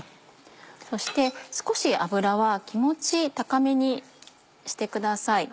そして少し油は気持ち高めにしてください。